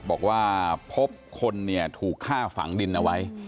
บอกว่าพบคนเนี่ยถูกฆ่าฝังดินเอาไว้